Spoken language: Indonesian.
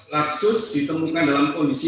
laksus ditemukan dalam kondisi